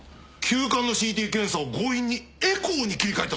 急患のＣＴ検査を強引にエコーに切り替えたそうですね。